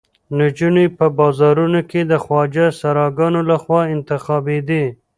نجونې په بازارونو کې د خواجه سراګانو لخوا انتخابېدې.